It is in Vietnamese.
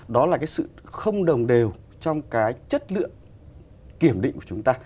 đó là cái sự không đồng đều trong cái chất lượng kiểm định của chúng ta